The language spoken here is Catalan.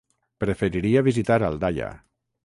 Preferiria visitar Aldaia.